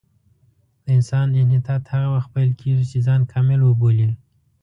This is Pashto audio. د انسان انحطاط هغه وخت پیل کېږي چې ځان کامل وبولي.